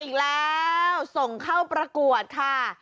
อีกแล้วส่งเข้าประกวดค่ะ